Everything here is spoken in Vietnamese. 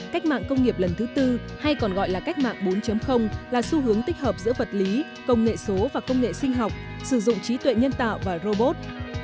cách mạng công nghiệp lần thứ tư hay còn gọi là cách mạng bốn là xu hướng tích hợp giữa vật lý công nghệ số và công nghệ sinh học sử dụng trí tuệ nhân tạo và robot